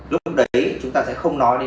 lúc đấy chúng ta sẽ không nói